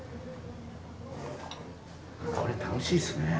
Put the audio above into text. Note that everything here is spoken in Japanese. これ楽しいっすね。